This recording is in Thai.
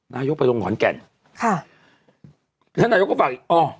นายกไปลงขอนแก่นค่ะท่านนายกก็ฝากอีกอ๋อ